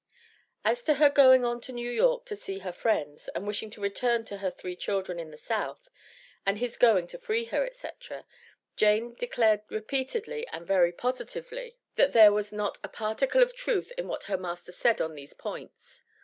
As to her going on to New York to see her friends, and wishing to return to her three children in the South, and his going to free her, &c., Jane declared repeatedly and very positively, that there was not a particle of truth in what her master said on these points.